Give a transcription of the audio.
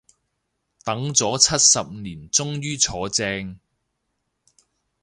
等咗七十年終於坐正